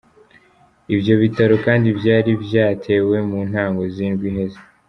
Ivyo bitaro kandi vyari vyatewe mu ntango z’indwi iheze.